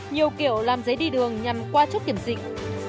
nhiều kiểu làm giấy đi đường nhằm qua chốt kiểm dịch